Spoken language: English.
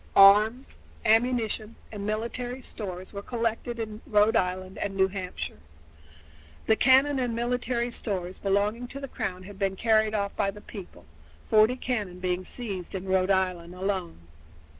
Arms, ammunition, and military stores were collected in Rhode Island and New Hampshire. The cannon and military stores belonging to the Crown had been carried off by the people, forty cannon being seized in Rhode Island alone.